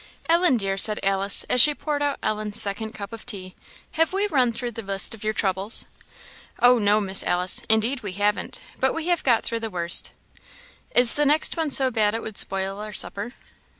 "Ellen dear," said Alice as she poured out Ellen's second cup of tea, "have we run through the list of your troubles?" "Oh, no, Miss Alice, indeed we haven't; but we have got through the worst." "Is the next one so bad it would spoil our supper?"